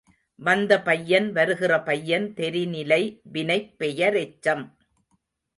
வந்த பையன், வருகிற பையன் தெரிநிலை வினைப் பெயரெச்சம்.